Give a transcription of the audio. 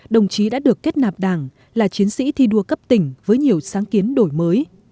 đồng chí đã được kết nạp đảng là chiến sĩ thi đua cấp tỉnh với nhiều sáng kiến đổi mới